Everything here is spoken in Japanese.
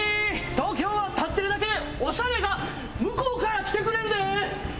東京は立ってるだけでオシャレが向こうから来てくれるで！